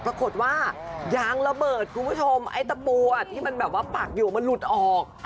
ปรากฏว่ายางระเบิดคุณผู้ชมไอ้ตะบัวที่มันแบบว่าปักอยู่มันหลุดออก